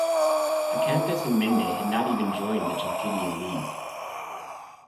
Acanthus and Mende had not even joined the Chalkidian League.